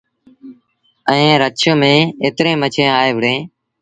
ائيٚݩٚ رڇ ميݩ ايتريݩ مڇيٚنٚ آئي وهُڙينٚ